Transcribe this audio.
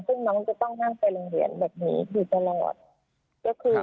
ซึ่งหนองจะต้องง่างไปโรงเรียนแบบนี้สองนาทีประตู